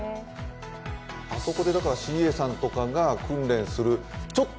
あそこでＣＡさんとかが訓練する。